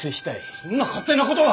そんな勝手な事は！